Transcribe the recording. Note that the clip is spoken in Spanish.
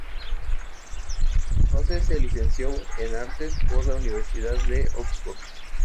Rose se licenció en Artes por la Universidad de Oxford.